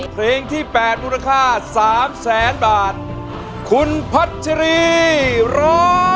ตลิ่งที่๘มูลค่า๓แสนบาทคุณพัชรีร้อย